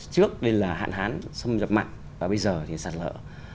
trước đây là hạn hán xâm nhập mặn và bây giờ thì sạt lở